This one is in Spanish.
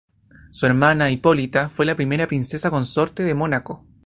Su hermana Hipólita fue la primera princesa consorte de Mónaco.